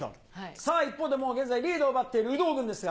さあ、一方で現在、リードを奪っている有働軍ですが。